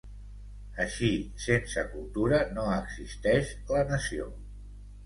Així, sense cultura no existeix la nació.